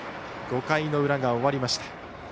５回の裏が終わりました。